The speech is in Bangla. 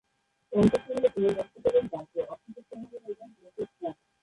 সন্তুষ্ট হলে তিনি লোককে দেবেন রাজ্য, অসন্তুষ্ট হলে নেবেন লোকের প্রাণ।